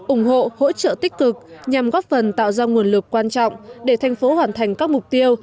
ủng hộ hỗ trợ tích cực nhằm góp phần tạo ra nguồn lực quan trọng để thành phố hoàn thành các mục tiêu